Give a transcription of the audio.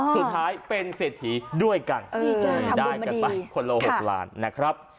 สุดท้ายเป็นเศรษฐีด้วยกันดีใจได้กันไปคนละ๖ล้านนะครับ